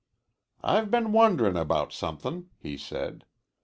"I've been wonderin' about somethin'," he said.